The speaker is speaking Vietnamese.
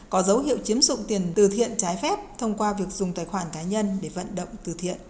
có dấu hiệu chiếm dụng tiền từ thiện trái phép thông qua việc dùng tài khoản cá nhân để vận động từ thiện